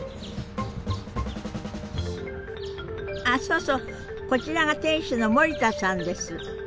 あそうそうこちらが店主の森田さんです。